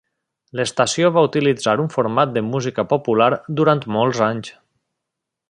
L'estació va utilitzar un format de música popular durant molts anys.